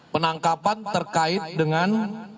penangkapan terkait dengan